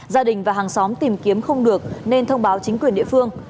gia đình và hàng xóm tìm kiếm không được nên thông báo chính quyền địa phương